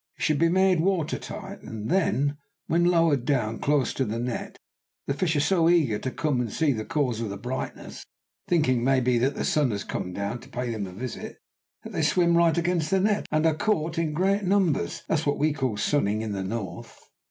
It should be made watertight, and then, when lowered down close to the net, the fish are so eager to come and see the cause of the brightness, thinking, maybe, that the sun has come down to pay them a visit, that they swim right against the net, and are caught in great numbers. That is what we call sunning in the north."